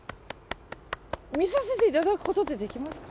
見させていただくことってできますか。